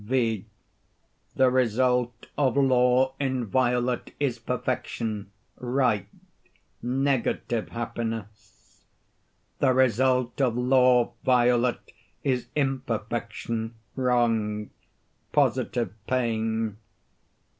V. The result of law inviolate is perfection—right—negative happiness. The result of law violate is imperfection, wrong, positive pain.